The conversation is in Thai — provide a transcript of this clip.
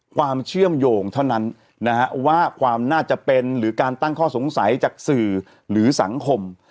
ความเชื่อมโยงเท่านั้นนะฮะว่าความน่าจะเป็นหรือการตั้งข้อสงสัยจากสื่อหรือสังคม